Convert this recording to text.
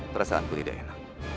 perasaanku tidak enak